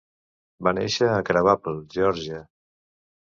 Va néixer a Crabapple, Geòrgia.